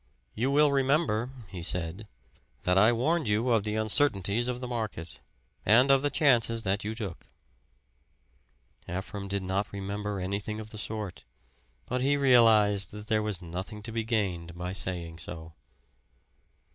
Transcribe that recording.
"You will remember," he said, "that I warned you of the uncertainties of the market, and of the chances that you took." Ephraim did not remember anything of the sort, but he realized that there was nothing to be gained by saying so.